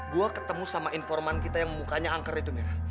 gue ketemu sama informan kita yang mukanya angker itu merah